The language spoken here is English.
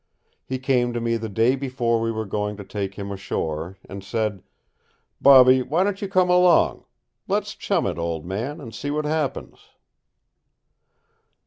He came to me the day before we were going to take him ashore, and said: "Bobby, why don't you come along? Let's chum it, old man, and see what happens."